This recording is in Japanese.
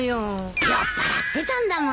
酔っぱらってたんだもんね。